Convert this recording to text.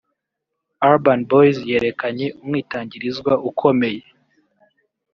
Urban Boyz yerekanye umwitangirizwa ukomeye